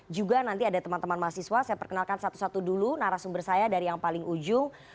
juga nanti ada teman teman mahasiswa saya perkenalkan satu satu dulu narasumber saya dari yang paling ujung